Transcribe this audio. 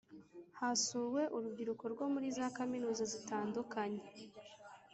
Hasuwe urubyiruko rwo muri za Kaminuza zitandukanye